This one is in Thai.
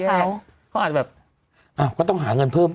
เขาอาจจะแบบอ้าวก็ต้องหาเงินเพิ่ม